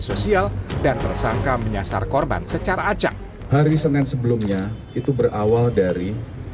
sosial dan tersangka menyasar korban secara acak hari senin sebelumnya itu berawal dari